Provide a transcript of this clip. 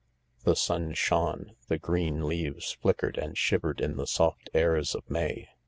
The sun shone, the green leaves flickered and shivered in the soft airs of May.